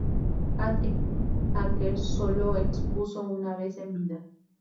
Patrick Bakker solo expuso una vez en vida.